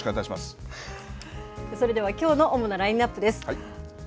それではきょうの主なラインナップです。